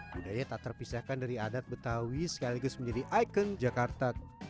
budaya tak terpisahkan dari adat betawi sekaligus menjadi ikon jakarta